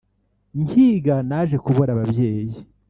Nkiga naje kubura ababyeyi